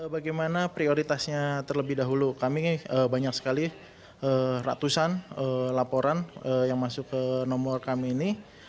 bagaimana prioritasnya terlebih dahulu kami banyak sekali ratusan laporan yang masuk ke nomor kami ini